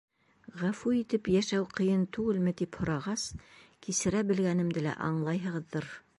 — Ғәфү итеп йәшәү ҡыйын түгелме, тип һорағас, кисерә белгәнемде лә аңлайһығыҙҙыр.